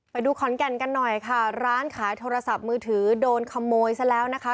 ไปดูขอนแก่นกันหน่อยค่ะร้านขายโทรศัพท์มือถือโดนขโมยซะแล้วนะคะ